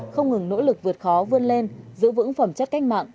không ngừng nỗ lực vượt khó vươn lên giữ vững phẩm chất cách mạng